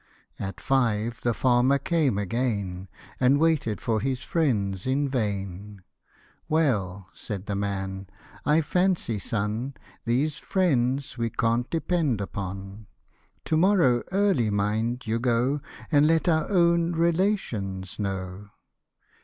At five the farmer came again, And waited for his friends in vain. " Well," said the man, " I fancy, son, These friends we can't depend upon ; To morrow early mind you go, And let our own relations know."